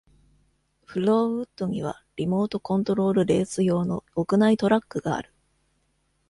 Flowood には、リモートコントロールレース用の屋内トラックがある。